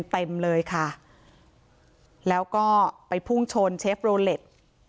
เต็มเลยค่ะไปพุ่งโชนเชฟโรเล็ต